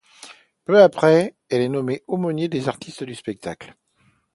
Peu après, il est nommé aumônier des artistes du spectacle.